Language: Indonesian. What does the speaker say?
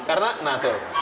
karena nah tuh